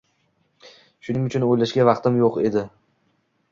Shuning uchun o'ylashga vaqtim yo'q edi